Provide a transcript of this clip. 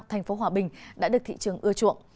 thành phố hòa bình đã được thị trường ưa chuộng